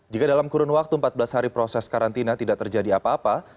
jika dalam kurun waktu empat belas hari proses karantina tidak terjadi apa apa